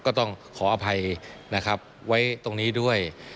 ก็ต้องขออภัยนะครับไว้ตรงนี้ด้วย